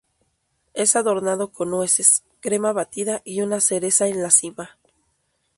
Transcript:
Es adornado con nueces, crema batida y una cereza en la cima.